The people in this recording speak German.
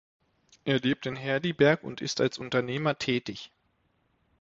Er lebt in Herrliberg und ist als Unternehmer tätig.